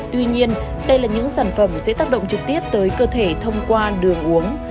tuy nhiên đây là những sản phẩm sẽ tác động trực tiếp tới cơ thể thông qua đường uống